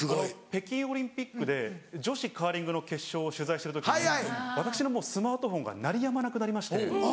北京オリンピックで女子カーリングの決勝を取材してる時に私のスマートフォンが鳴りやまなくなりまして。